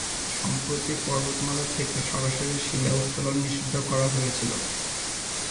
সম্প্রতি পর্বতমালা থেকে সরাসরি শিলা উত্তোলন নিষিদ্ধ করা হয়েছিল।